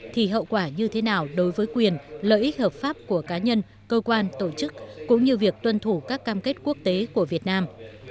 thì hậu quả như thế nào đối với quyền lợi ích hợp pháp của cá nhân cơ quan tổ chức cũng như việc tuân thủ các cam kết quốc tế của việt nam